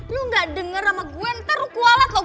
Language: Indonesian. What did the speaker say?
lo gak denger sama gue ntar lo kualat loh